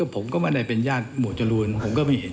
ผมก็ไม่ได้เป็นญาติหมวดจรูนผมก็ไม่เห็น